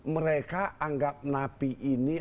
mereka anggap napi ini